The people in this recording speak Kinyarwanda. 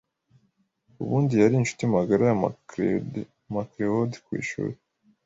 ubundi yari inshuti magara ya Macleod ku ishuri